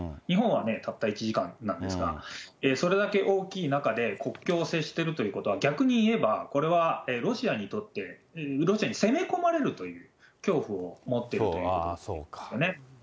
日本はたった１時間なんですが、それだけ大きい中で、国境を接しているということは、逆に言えばこれはロシアにとって、ロシアに攻め込まれるという恐怖を持ってるということですよね。